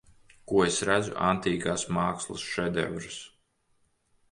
Ko es redzu Antīkās mākslas šedevrs.